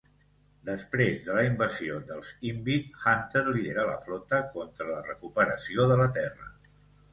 Després de la invasió dels Invid, Hunter lidera la flota contra la recuperació de la Terra.